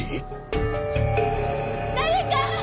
誰か！